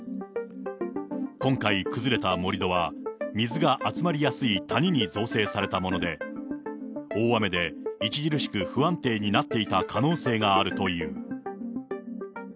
今回崩れた盛り土は、水が集まりやすい谷に造成されたもので、大雨で著しく不安定になっていた可能性があるという。